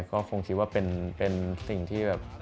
ก็คงคิดว่าเป็นสิ่งที่แบบ